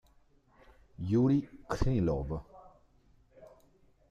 Jurij Krylov